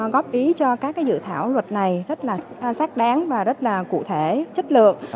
góp ý cho các dự thảo luật này rất là xác đáng và rất là cụ thể chất lượng